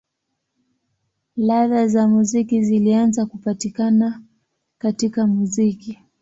Ladha za muziki zilianza kupatikana katika muziki.